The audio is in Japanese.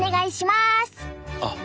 あっ